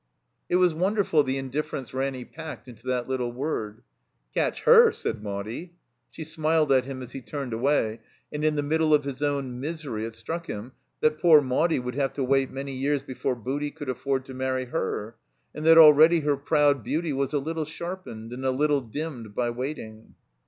It was wonderful the indifference Ranny packed into that little word. "Catch herr said Maudie. She smiled at him as he turned away, and in the middle of his own misery it struck him that poor Maudie would have to wait many years before Booty could afford to marry her, and that already her proud beauty was a little sharpened and a little dimmed by waiting.